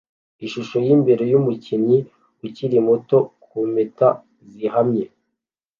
Ishusho yimbere yumukinyi ukiri muto kumpeta zihamye